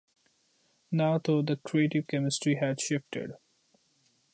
Now, though, the creative chemistry had shifted.